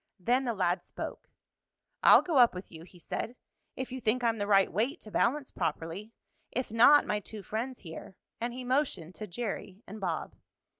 Then the lad spoke. "I'll go up with you," he said, "if you think I'm the right weight to balance properly. If not my two friends here " and he motioned to Jerry and Bob.